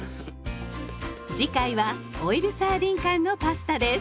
次回はオイルサーディン缶のパスタです。